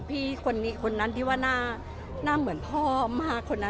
พี่คนนั้นหน้าเหมือนพ่อมาก